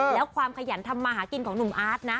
แล้วความขยันทำมาหากินของหนุ่มอาร์ตนะ